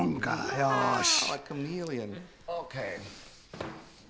よし。